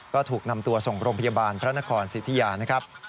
ก็ถูกนำตัวส่งโรงพยาบาลพระนครสิทธิยานะครับ